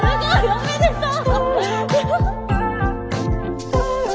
おめでとう！